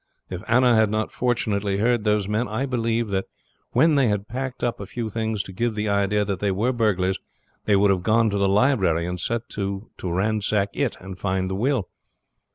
If Anna had not fortunately heard those men I believe that when they had packed up a few things to give the idea that they were burglars, they would have gone to the library and set to to ransack it and find the will."